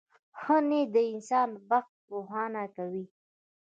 • ښه نیت د انسان بخت روښانه کوي.